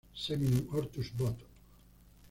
Seminum Hortus Bot.